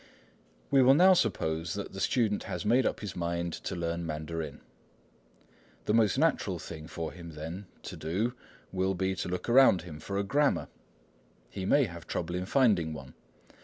We will now suppose that the student has made up his mind to learn Mandarin. The most natural thing for him, then, to do will be to look around him for a grammar. He may have trouble in finding one.